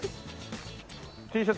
Ｔシャツ